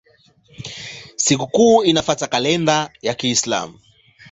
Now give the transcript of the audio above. Sikukuu inafuata kalenda ya Kiislamu.